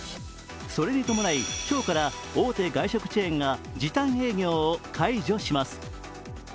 それに伴い、今日から大手外食チェーンが時短営業を解除します。